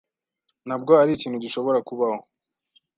Ntabwo ari ikintu gishobora kubaho.